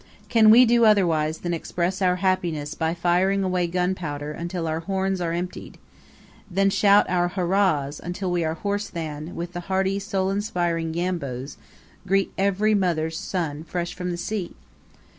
Can we do otherwise than express our happiness by firing away gunpowder until our horns are emptied than shout our "hurrahs" until we are hoarse than, with the hearty, soul inspiring "Yambos," greet every mother's son fresh from the sea?